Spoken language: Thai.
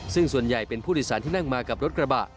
ซึ่งส่วนใหญ่เป็นผู้โดยสารที่นั่งมากับรถกระบะ